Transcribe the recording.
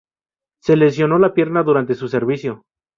Se lesionó la pierna durante su servicio.